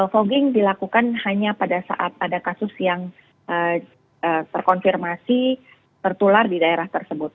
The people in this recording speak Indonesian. fogging dilakukan hanya pada saat ada kasus yang terkonfirmasi tertular di daerah tersebut